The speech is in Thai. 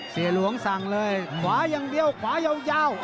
เสียหลวงสั่งเลยขวาอย่างเดียวขวายาว